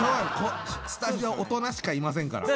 スタジオ大人しかいませんから。